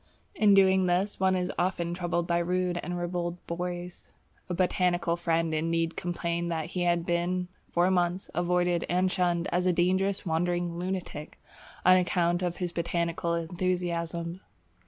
In doing this, one is often troubled by rude and ribald boys. A botanical friend indeed complained that he had been for months avoided and shunned as a dangerous wandering lunatic on account of his botanical enthusiasm.